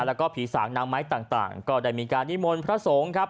แล้วก็ผีสางนางไม้ต่างก็ได้มีการนิมนต์พระสงฆ์ครับ